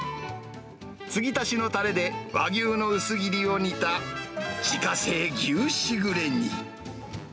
継ぎ足しのたれで、和牛の薄切りを煮た自家製牛しぐれ煮。